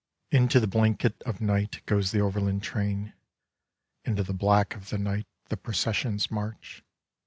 Into the blanket of night goes the overland train, Into the black of the night the processions march.